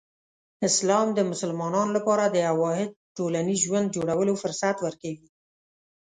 اسلام د مسلمانانو لپاره د یو واحد ټولنیز ژوند جوړولو فرصت ورکوي.